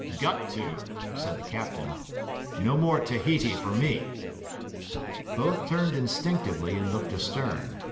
'Got to,' said the captain. 'No more Tahiti for me.' Both turned instinctively and looked astern.